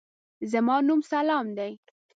زما نوم سلام دی.